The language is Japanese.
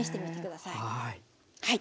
はい。